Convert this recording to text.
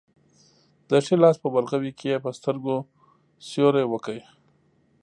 د ښي لاس په ورغوي کې یې په سترګو سیوری وکړ.